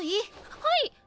はい！